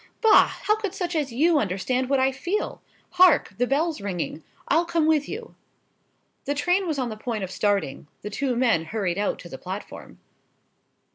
Bah! how should such as you understand what I feel? Hark! the bell's ringing—I'll come with you." The train was on the point of starting: the two men hurried out to the platform.